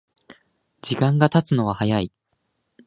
時間がたつのは早い